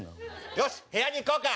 よし部屋に行こうか！